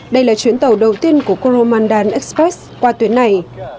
đây là chuyển tàu đầu tiên của chromandan express qua tuyến này